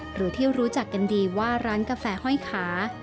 หรือที่รู้จักกันดีว่าร้านกาแฟห้อยขา